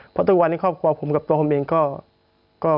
เพราะทุกวันนี้ครอบครัวผมกับตัวผมเองก็